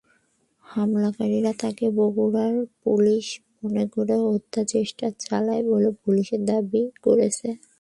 হামলাকারীরা তাঁকে বগুড়ার পুলিশ মনে করে হত্যাচেষ্টা চালায় বলে পুলিশ দাবি করেছে।